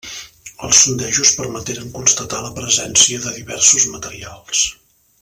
Els sondejos permeteren constatar la presència de diversos materials.